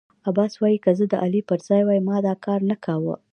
عباس وايی که زه د علي پر ځای وای ما دا کارنه کاوه.